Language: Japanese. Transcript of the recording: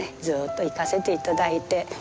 ずっと行かせていただいて。